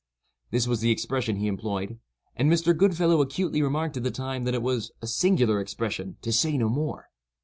This was the expression he employed; and Mr. Goodfellow acutely remarked at the time, that it was "a singular expression, to say no more."